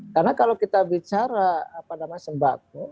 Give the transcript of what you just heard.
karena kalau kita bicara apa namanya sembako